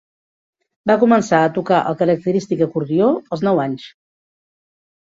Va començar a tocar el característic acordió als nou anys.